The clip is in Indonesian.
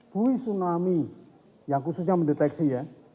bui tsunami yang khususnya mendeteksi ya